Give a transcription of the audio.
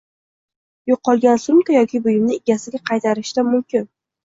Yo‘qolgan sumka yoki buyumni egasiga qaytarishda mumkin.